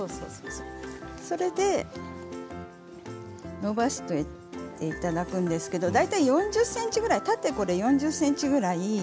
それで伸ばしていただくんですけれども大体４０ｃｍぐらい縦４０ｃｍぐらい。